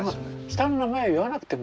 下の名前は言わなくてもいいの。